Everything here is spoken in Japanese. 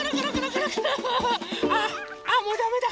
ああもうだめだ。